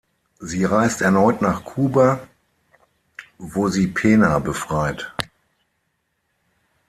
Sie reist erneut nach Kuba, wo sie Pena befreit.